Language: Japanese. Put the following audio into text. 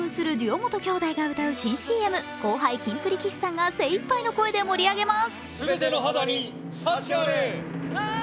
本兄弟が歌う新ＣＭ後輩・キンプリ・岸さんが精一杯の声で盛り上げます。